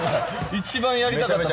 一番やりたかった。